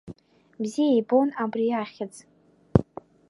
Бзиа ибон абри ахьӡ.